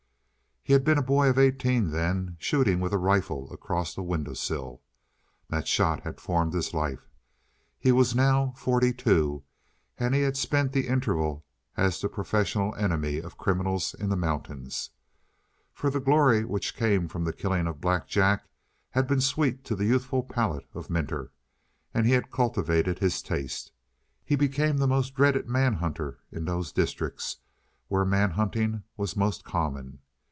He had been a boy of eighteen then, shooting with a rifle across a window sill. That shot had formed his life. He was now forty two and he had spent the interval as the professional enemy of criminals in the mountains. For the glory which came from the killing of Black Jack had been sweet to the youthful palate of Minter, and he had cultivated his taste. He became the most dreaded manhunter in those districts where manhunting was most common.